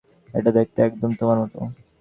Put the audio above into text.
এটা দেখতে একদম তোমার মত।